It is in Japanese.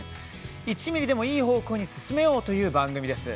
１ミリでもいい方向に進めようという番組です。